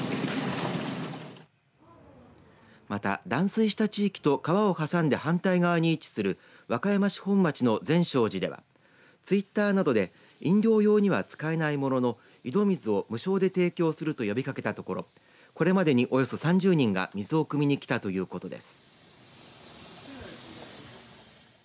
また、断水した地域と川を挟んで反対側に位置する和歌山市本町の善称寺ではツイッターなどで飲料用には使えないものの井戸水を無償で提供すると呼びかけたところこれまでに、およそ３０人が水をくみに来たということです。